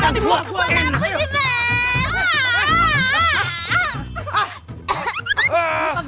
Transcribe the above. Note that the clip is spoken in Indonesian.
gua nampun ju bang